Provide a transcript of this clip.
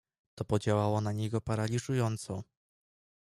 To podziałało na niego paraliżująco.